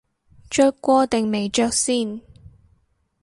着過定未着先